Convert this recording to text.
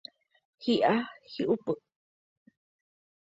Hi'a hi'upy.